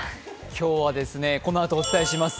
今日はですね、このあとお伝えします。